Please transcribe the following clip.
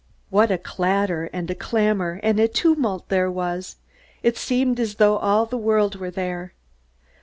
What a clatter and a clamor and a tumult there was! It seemed as though all the world were there.